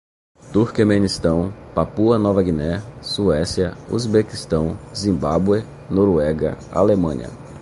Turquemenistão, Papua-Nova Guiné, Suécia, Uzbequistão, Zimbabwe, Noruega, Alemanha